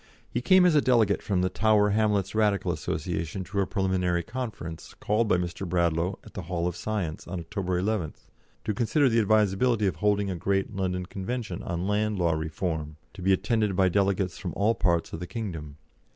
He came as a delegate from the Tower Hamlets Radical Association to a preliminary conference, called by Mr. Bradlaugh, at the Hall of Science, on October 11th, to consider the advisability of holding a great London Convention on Land Law Reform, to be attended by delegates from all parts of the kingdom.